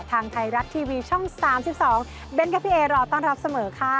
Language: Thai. ทางไทยรัฐทีวีช่อง๓๒เบ้นครับพี่เอรอต้อนรับเสมอค่ะ